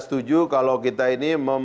setuju kalau kita ini